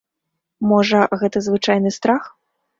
Можа, гэта звычайны страх?